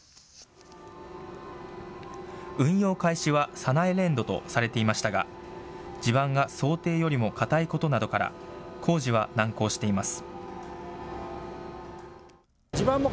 運用開始は再来年度とされていましたが地盤が想定よりも硬いことなどから、工事は難航しています。